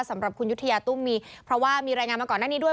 สำหรับคุณยุธยาตุ้มมีเพราะว่ามีรายงานมาก่อนหน้านี้ด้วย